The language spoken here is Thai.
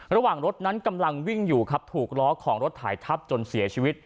ระหว่างรถนั้นกำลังวิ่งอยู่ครับถูกล้อของรถถ่ายทับจนเสียชีวิต